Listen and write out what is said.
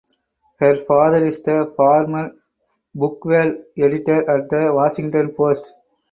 Her father is the former "Book World" editor at the Washington Post.